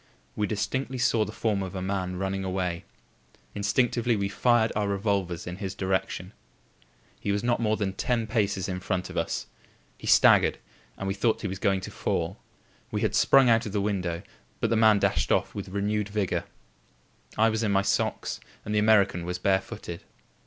We distinctly saw the form of a man running away. Instinctively we fired our revolvers in his direction. He was not more than ten paces in front of us; he staggered and we thought he was going to fall. We had sprung out of the window, but the man dashed off with renewed vigour. I was in my socks, and the American was barefooted.